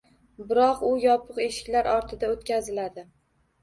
Biroq, u yopiq eshiklar ortida o'tkaziladi